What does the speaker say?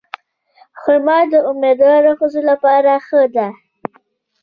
خرما د امیندوارو ښځو لپاره ښه ده.